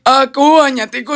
aku hanya tikus tukang